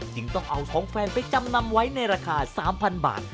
จึงต้องเอาของแฟนไปจำนำไว้ในราคา๓๐๐บาท